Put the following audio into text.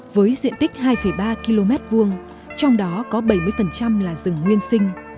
với diện tích hai ba km hai trong đó có bảy mươi là rừng nguyên sinh